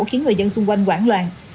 khiến người dân xung quanh quảng loạn